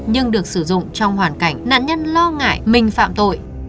nhưng được sử dụng trong hoàn cảnh nạn nhân lo ngại mình phạm tội